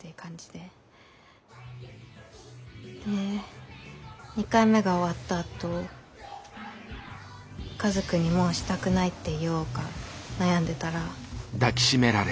で２回目が終わったあとカズくんに「もうしたくない」って言おうか悩んでたら。